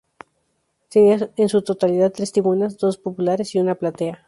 Tenía en su totalidad tres tribunas: dos populares y una platea.